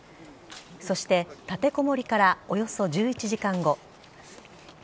そして立てこもりからおよそ１１時間後。